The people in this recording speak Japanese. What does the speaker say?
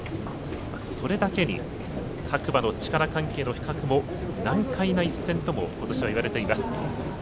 それだけに各馬の力関係の比較も難解な一戦ともことしは言われています。